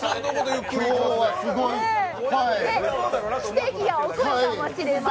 奇跡が起こるかもしれません。